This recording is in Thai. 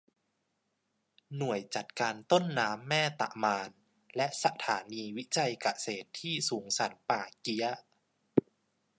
หน่วยจัดการต้นน้ำแม่ตะมาน และสถานีวิจัยเกษตรที่สูงสันป่าเกี๊ยะ